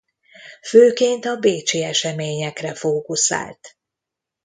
Főként a bécsi eseményekre fókuszált.